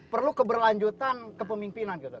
perlu keberlanjutan kepemimpinan gitu